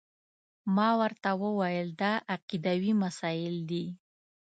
ما ورته وویل دا عقیدوي مسایل دي.